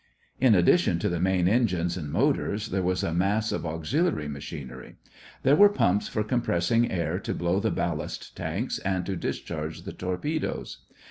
In addition to the main engines and motors, there was a mass of auxiliary machinery. There were pumps for compressing air to blow the ballast tanks and to discharge the torpedoes.